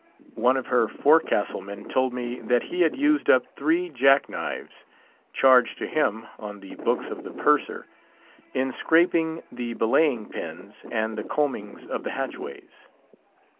One of her forecastle men told me that he had used up three jack knives (charged to him on the books of the purser) in scraping the belaying pins and the combings of the hatchways.